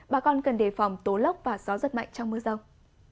bà con cần đề phòng tố lốc và gió giật mạnh trong mưa rông